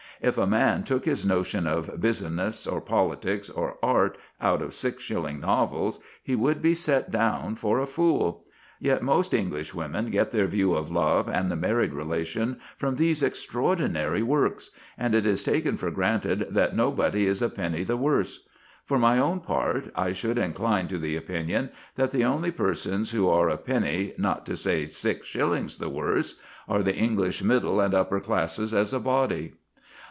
If a man took his notion of business, or politics, or art, out of six shilling novels, he would be set down for a fool. Yet most Englishwomen get their view of love and the married relation from these extraordinary works, and it is taken for granted that nobody is a penny the worse. For my own part, I should incline to the opinion that the only persons who are a penny, not to say six shillings, the worse, are the English middle and upper classes as a body.